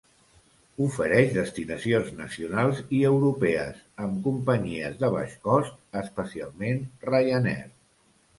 Ofereix destinacions nacionals i europees amb companyies de baix cost, especialment Ryanair.